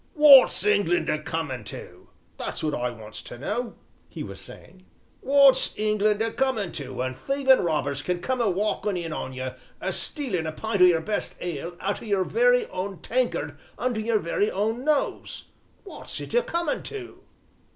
"Wot's England a comin' to? that's wot I wants to know," he was saying; "wot's England a comin' to when thievin' robbers can come a walkin' in on you a stealin' a pint o' your best ale out o' your very own tankard under your very own nose wot's it a comin' to?"